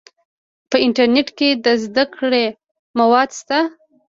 په انټرنیټ کې د زده کړې مواد شته.